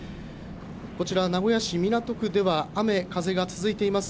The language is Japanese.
こちら名古屋市港区では雨風が続いています。